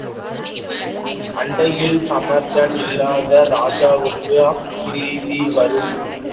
அண்டையில் சமர்த்தன் இல்லாத ராஜாவுக்கு அபகீர்த்தி வரும்.